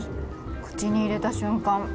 口に入れた瞬間